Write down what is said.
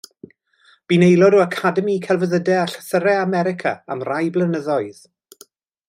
Bu'n aelod o Academi Celfyddydau a Llythyrau America am rai blynyddoedd.